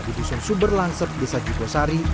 di dusun sumber langsep desa jugosari